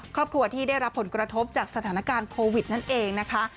ครอบครัวที่ได้รับผลกระทบจากสถานการณ์โควิดนั่นเองนะคะ